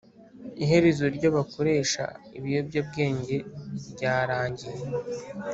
iherezo ry’abakoresha ibiyobyabwenge ryarangiye